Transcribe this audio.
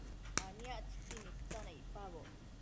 aniactsëqui icpaboc mitsana